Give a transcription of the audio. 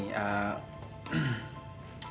aku udah pernah bilang